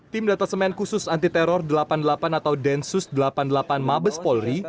tim detesemen khusus antiteror delapan puluh delapan atau densus delapan puluh delapan mabes polri